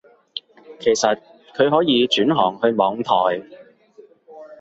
其實佢可以轉行去網台